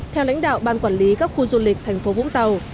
theo lãnh đạo ban quản lý các khu du lịch thành phố vũng tàu